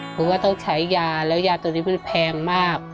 เพราะว่าต้องใช้ยาแล้วยาตัวนี้มันแพงมาก